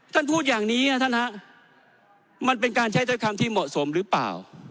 ท่านพูดอย่างนี้นะท่านฮะมันเป็นการใช้ถ้อยคำที่เหมาะสมหรือเปล่า